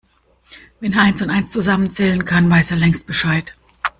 Wenn er eins und eins zusammenzählen kann, weiß er längst Bescheid.